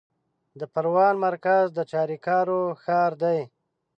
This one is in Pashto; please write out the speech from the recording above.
د پروان مرکز د چاریکارو ښار دی